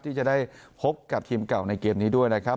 ที่จะได้พบกับทีมเก่าในเกมนี้ด้วยนะครับ